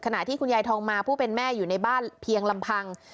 ขณะที่คุณยายทองมาผู้เป็นแม่อยู่ในบ้านเพียงลำพัง